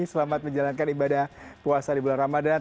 selamat menjalankan ibadah puasa di bulan ramadan